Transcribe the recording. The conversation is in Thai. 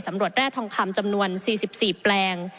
ตำรวจแร่ทองคำจำนวน๔๔แปลง